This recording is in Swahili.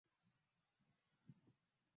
isini na nane hadi mwaka elfu mbili na tatu